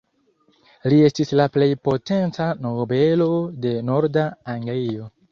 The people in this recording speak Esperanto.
Li estis la plej potenca nobelo de norda Anglio.